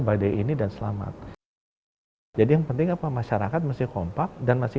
pak nah kita sekarang udah ada di meja makannya pak menteri